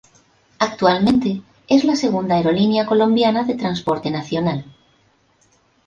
Actualmente es la segunda aerolínea colombiana en transporte nacional.